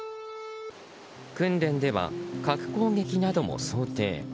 訓練では核攻撃なども想定。